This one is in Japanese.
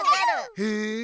へえ。